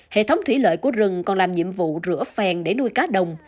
hệ thống thủy lợi của rừng còn làm nhiệm vụ rửa phèn để nuôi cá đồng